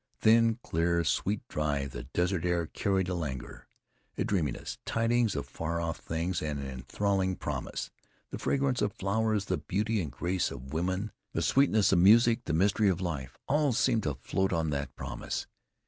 Thin, clear, sweet, dry, the desert air carried a languor, a dreaminess, tidings of far off things, and an enthralling promise. The fragrance of flowers, the beauty and grace of women, the sweetness of music, the mystery of life all seemed to float on that promise.